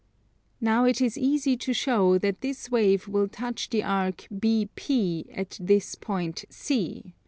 Now it is easy to show that this wave will touch the arc BP at this point C.